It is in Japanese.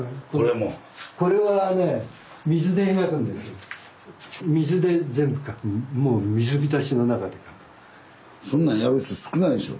もうそんなんやる人少ないでしょ。